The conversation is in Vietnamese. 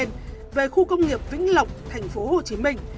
và nhận hai mươi tấn sắt nêu trên về khu công nghiệp vĩnh lộc thành phố hồ chí minh